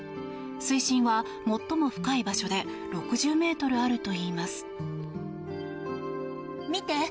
水深は最も深い場所で６０ｍあるといいます。